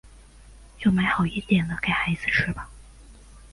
就买好一点的给孩子吃吧